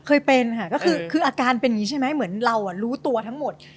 เคยเป็นค่ะก็คืออาการเป็นอย่างนี้ใช่ไหมเหมือนเรารู้ตัวทั้งหมด